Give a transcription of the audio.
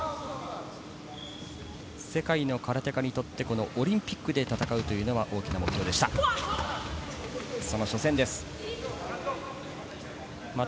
世界の空手家にとってこのオリンピックで戦うというのは大きな目標でした。